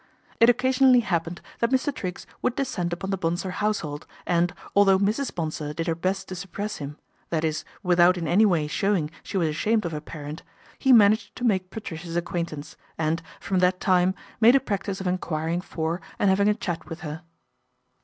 It occasionally happened that Mr. Triggs would descend upon the Bonsor household and, although Mrs. Bonsor did her best to suppress him, that is without in any way showing she was ashamed of her parent, he managed to make Patricia's ac quaintance and, from that time, made a practice of enquiring for and having a chat with her.